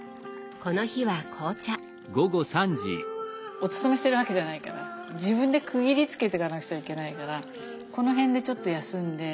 お勤めしてるわけじゃないから自分で区切りつけてかなくちゃいけないからこの辺でちょっと休んで。